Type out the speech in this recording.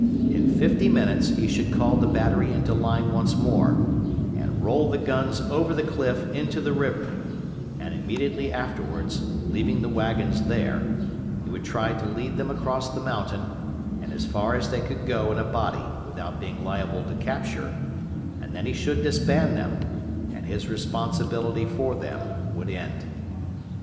In fifty minutes he should call the battery into line once more, and roll the guns over the cliff into the river, and immediately afterwards, leaving the wagons there, he would try to lead them across the mountain, and as far as they could go in a body without being liable to capture, and then he should disband them, and his responsibility for them would end.